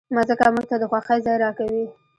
مځکه موږ ته د خوښۍ ځای راکوي.